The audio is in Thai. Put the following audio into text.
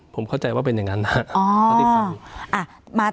ผมเข้าใจว่าเป็นอย่างนั้นนะครับ